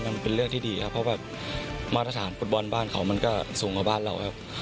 มันเป็นเรื่องที่ดีครับเพราะว่ามาตรฐานฟุตบอลบ้านเขามันก็สูงกว่าบ้านเราครับ